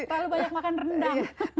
terlalu banyak makan rendang